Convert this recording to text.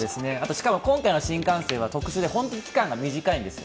しかも今回の新幹線は特殊で、本当に期間が短いんです。